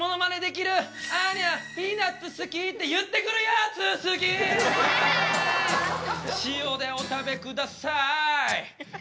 アーニャピーナツ好き。って言ってくるやつ好き塩でお食べください